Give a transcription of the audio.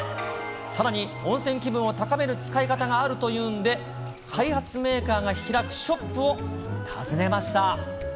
さらに、温泉気分を高める使い方があるというんで、開発メーカーが開くショップを訪ねました。